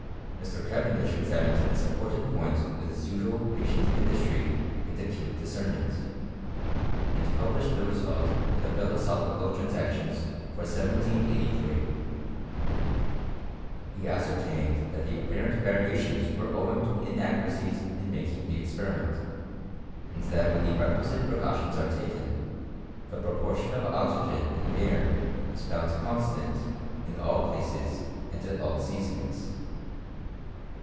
Mr. Cavendish examined this important point with ht9 usual patient industry and acute discernment, and published the result in the Philosophical Transactions for 1783. He ascertained that the apparent variations were owing to inacoaracies in making the experiment ; and that when the recjuisite precautions are taken, the proportion of oxygen in aii is found constant in all 346 HISTORY OF CHEMXSTRT. .* places, and at all seasons.